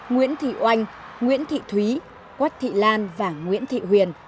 nguyễn thị oanh nguyễn thị thúy quách thị lan và nguyễn thị huyền